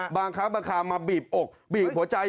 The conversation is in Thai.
บางค้ามาบีบอกบีบหัวใจ